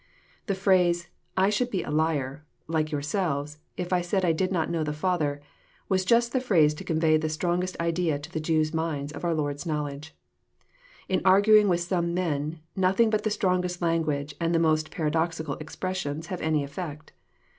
— The phrase, '* I should be a liar, like yourselves, if I said I did not know the Father," was just the phrase to convey the strongest idea to the Jews' minds of our Lord's knowledge. — In arguing with some men, nothing but the strongest language, and the most paradoxical expressions, have any effect.